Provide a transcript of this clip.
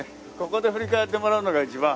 ここで振り返ってもらうのが一番。